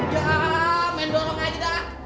jauhan jugae main gjolong aja da